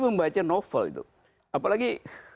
membaca novel itu apalagi